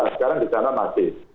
sekarang di sana masih